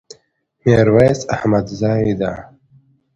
ميرويس احمدزي ده